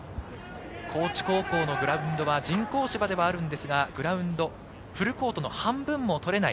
高知高校のグラウンドは人工芝ではあるんですがグラウンド、フルコートの半分も取れない。